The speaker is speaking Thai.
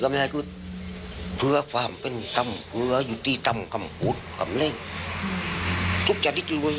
แบบว่าได้ทำกันจริง